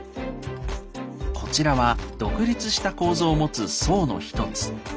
こちらは独立した構造を持つ層の一つ。